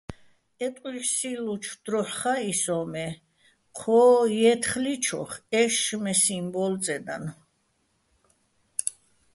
ე ტყუ́ჲჰ̦სილლუჩო̆ დროჰ̦ ხაჸი სოჼ, მე ჴო ჲე́თხლიჩოხ ეშშმეჼ სიმბო́ლო̆ წედანო̆.